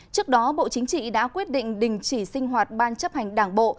trước đó bộ chính trị đã quyết định đình chỉ sinh hoạt ban chấp hành đảng bộ